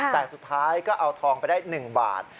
แต่สุดท้ายก็เอาทองไปได้๑บาท